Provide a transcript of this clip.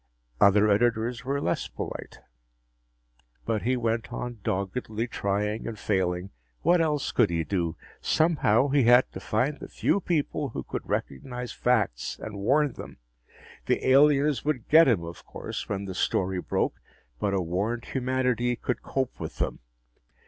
Other editors were less polite. But he went on doggedly trying and failing. What else could he do? Somehow, he had to find the few people who could recognize facts and warn them. The aliens would get him, of course, when the story broke, but a warned humanity could cope with them.